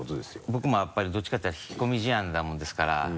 僕もやっぱりどっちかっていうと引っ込み思案だもんですから。